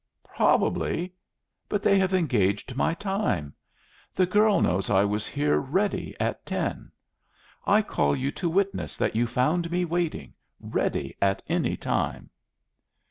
"Probably! But they have engaged my time. The girl knows I was here ready at ten. I call you to witness that you found me waiting, ready at any time."